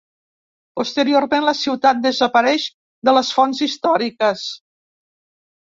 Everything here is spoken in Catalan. Posteriorment la ciutat desapareix de les fonts històriques.